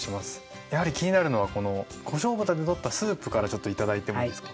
やはり気になるのはこのこしょう豚で取ったスープからちょっと頂いてもいいですか。